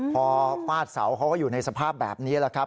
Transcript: พอฟาดเสาเขาก็อยู่ในสภาพแบบนี้แหละครับ